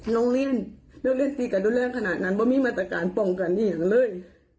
น้องเรียนนอกเรียนศรีกับดูแลขนาดนั้นว่ามีมาตรการป่องกันอีกอย่างเลย